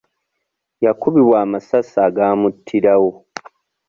Yakubibwa amasasi agaamuttirawo.